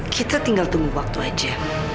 kita tinggal tunggu waktu aja